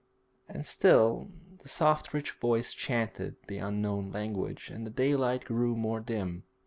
And still the soft rich voice chanted the unknown language, and the daylight grew more dim.